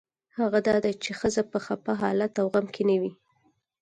هغه دا دی چې ښځه په خپه حالت او غم کې نه وي.